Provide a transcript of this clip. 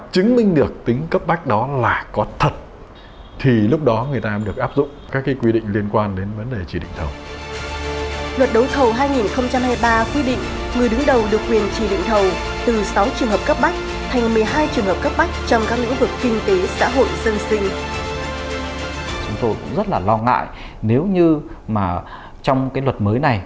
chúng tôi cũng rất là lo ngại nếu như mà trong cái luật mới này